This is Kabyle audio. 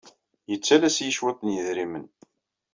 Ittalas-iyi cwiṭ n yedrimen.